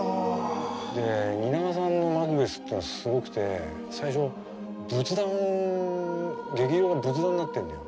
で蜷川さんの「マクベス」ってのはすごくて最初仏壇劇場が仏壇になってんのよ。